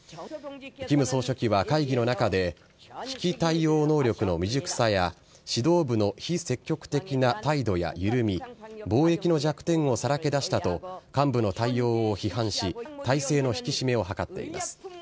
金総書記は会議の中で危機対応能力の未熟さや指導部の非積極的な態度や緩み防疫の弱点をさらけ出したと幹部の対応を批判し体制の引き締めを図っています。